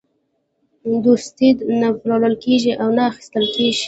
دوستي نه پلورل کېږي او نه اخیستل کېږي.